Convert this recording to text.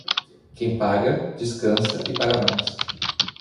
Quem paga, descansa e paga mais.